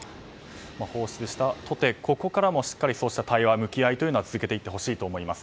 放出したとて、ここからもしっかりとそうした対話や向き合いというのは続けていってほしいと思います。